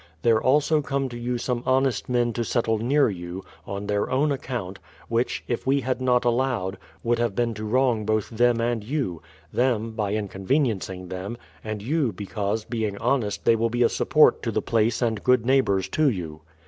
There also come to you some honest men to settle near you, on their own account, which, if we had not allowed, would have been to wrong both them and you,— them, by inconveniencing them, and you, because, being honest they will be a support to the place and good neighbours to you.